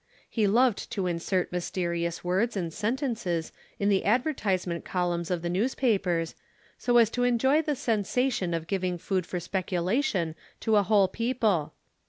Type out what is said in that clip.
He loved to insert mysterious words and sentences in the advertisement columns of the newspapers, so as to enjoy the sensation of giving food for speculation to a whole people.